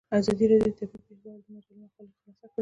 ازادي راډیو د طبیعي پېښې په اړه د مجلو مقالو خلاصه کړې.